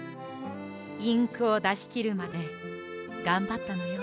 インクをだしきるまでがんばったのよ。